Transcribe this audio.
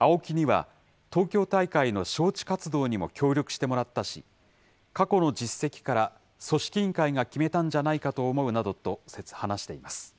ＡＯＫＩには、東京大会の招致活動にも協力してもらったし、過去の実績から組織委員会が決めたんじゃないかと思うなどと話しています。